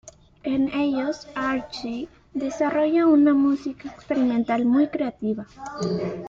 En ellos Archie desarrolla una música experimental muy creativa.